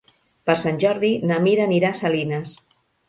Per Sant Jordi na Mira anirà a Salines.